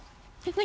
何？